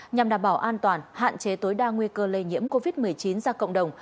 nhằm đảm bảo an toàn hạn chế tối đa nguy cơ lây nhiễm covid một mươi chín ra cộng đồng